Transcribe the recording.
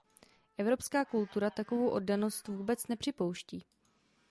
Evropská kultura takovou oddanost vůbec nepřipouští.